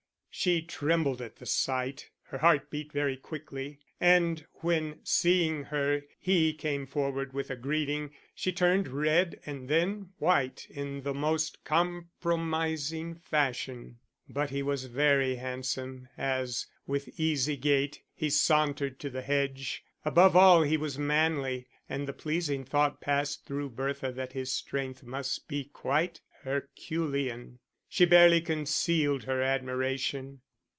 She trembled at the sight, her heart beat very quickly; and when, seeing her, he came forward with a greeting, she turned red and then white in the most compromising fashion. But he was very handsome as, with easy gait, he sauntered to the hedge; above all he was manly, and the pleasing thought passed through Bertha that his strength must be quite herculean. She barely concealed her admiration.